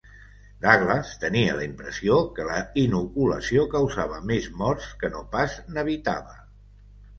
Douglass tenia la impressió que la inoculació causava més morts que no pas n'evitava.